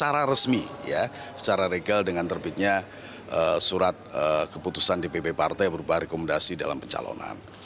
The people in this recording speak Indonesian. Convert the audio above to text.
resmi ya secara regel dengan terbitnya surat keputusan di pp partai berubah rekomendasi dalam pencalonan